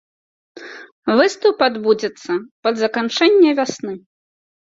Выступ адбудзецца пад заканчэнне вясны.